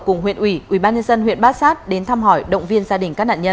cùng huyện ủy ubnd huyện bát sát đến thăm hỏi động viên gia đình các nạn nhân